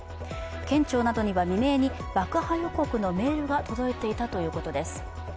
県庁などには未明に爆破予告のメールが届いていたということです。